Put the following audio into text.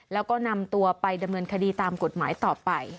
แล้วก็นำตัวไปดำเนินคดีตามกฎหมายต่อไป